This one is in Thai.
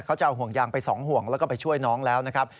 เขาจะเอาห่วงยางไป๒ห่วงแล้วก็ไปช่วยน้องแล้วนะครับ